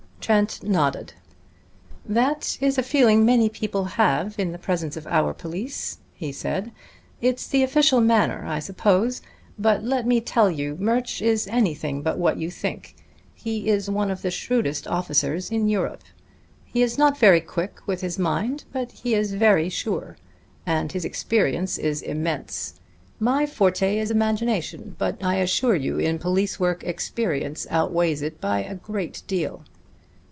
Trent nodded. "That is a feeling many people have in the presence of our police," he said. "It's the official manner, I suppose. But let me tell you Murch is anything but what you think. He is one of the shrewdest officers in Europe. He is not very quick with his mind, but he is very sure. And his experience is immense. My forte is imagination, but I assure you in police work experience outweighs it by a great deal."